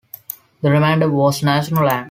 The remainder was national land.